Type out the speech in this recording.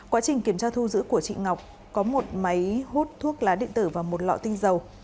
quá trình kiểm tra thu giữ của chị ngọc có một máy hút thuốc lá điện tử và một lọ tinh dầu